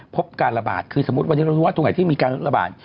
พบการระบาดคือสมมุติวันนี้เรารู้ว่าตรงไหนที่มีการระบาด